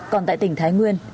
còn tại tỉnh thái nguyên